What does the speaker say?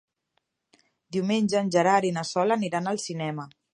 Diumenge en Gerard i na Sol aniran al cinema.